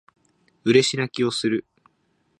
嬉し泣きをする